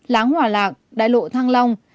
láng hỏa lạc đại lộ thăng long